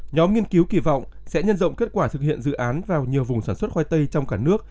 nhóm nghiên cứu kỳ vọng sẽ nhân rộng kết quả thực hiện dự án vào nhiều vùng sản xuất khoai tây trong cả nước